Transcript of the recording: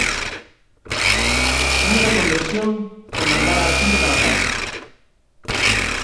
Unha reconversión e mandar á xente para a casa.